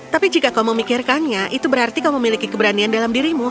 tapi jika kau memikirkannya itu berarti kau memiliki keberanian dalam dirimu